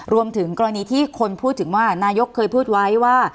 รวมถึงกรณีที่คนพูดถึงว่านายกเคยพูดไว้ว่า